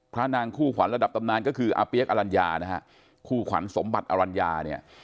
พระนางคู่ขวัญระดับตำนานก็คืออาเปี๊ยกอลัญญานะฮะคู่ขวัญสมบัติอรัญญาเนี่ย